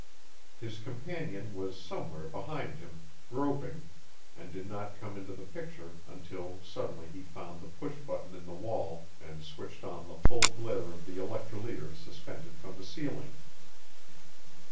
His companion was somewhere behind him, groping, and did not come into the picture until suddenly he found the push button in the wall and switched on the full glare of the electroliers suspended from the ceiling.